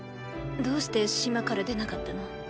どうして島から出なかったの？